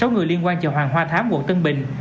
sáu người liên quan chợ hoàng hoa thám quận tân bình